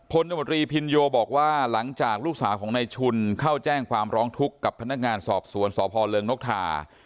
นมตรีพินโยบอกว่าหลังจากลูกสาวของนายชุนเข้าแจ้งความร้องทุกข์กับพนักงานสอบสวนสพเริงนกทา